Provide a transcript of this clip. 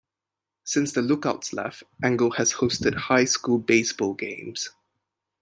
Since the Lookouts left, Engel has hosted high school baseball games.